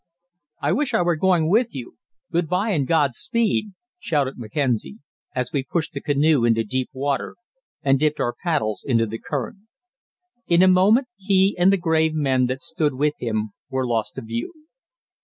"I wish I were going with you; good bye and Godspeed!" shouted Mackenzie, as we pushed the canoe into deep water and dipped our paddles into the current. In a moment he and the grave men that stood with him were lost to view.